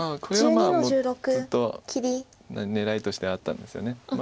これはもうずっと狙いとしてあったんですよね。